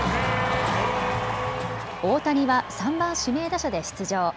大谷は３番・指名打者で出場。